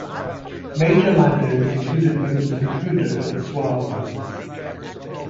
Major landowners included members of the Trudeau and Sauve families.